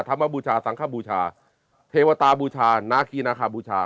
ธรรมบูชาสังขบูชาเทวตาบูชานาคีนาคาบูชา